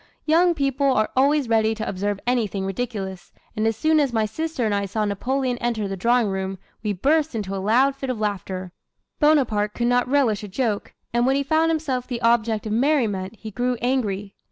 Young people are always ready to observe anything ridiculous, and as soon as my sister and I saw Napoleon enter the drawing room, we burst into a loud fit of laughter. Bonaparte could not relish a joke; and when he found himself the object of merriment he grew angry.